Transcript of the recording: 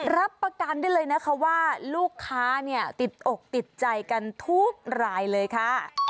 รับประกันได้เลยนะคะว่าลูกค้าเนี่ยติดอกติดใจกันทุกรายเลยค่ะ